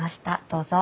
どうぞ。